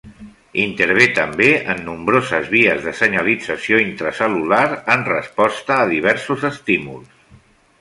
Intervé també en nombroses vies de senyalització intracel·lular en resposta a diversos estímuls.